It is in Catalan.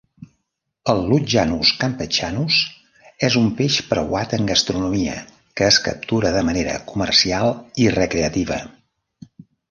El lutjanus campechanus és un peix preuat en gastronomia que es captura de manera comercial i recreativa.